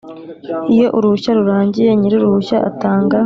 Iyo uruhushya rurangiye nyir uruhushya atanga